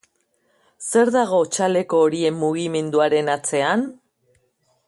Zer dago txaleko horien mugimenduaren atzean?